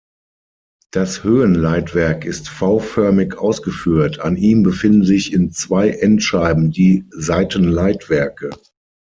Das Höhenleitwerk ist V-förmig ausgeführt; an ihm befinden sich in zwei Endscheiben die Seitenleitwerke.